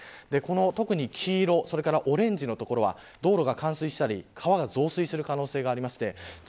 特に黄色そしてオレンジの所は道路が冠水したり川が増水したりする可能性があります。